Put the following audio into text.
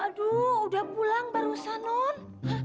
aduh udah pulang barusan non